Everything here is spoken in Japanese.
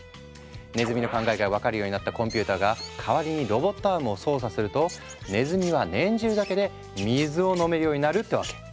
ねずみの考えが分かるようになったコンピューターが代わりにロボットアームを操作するとねずみは念じるだけで水を飲めるようになるってわけ。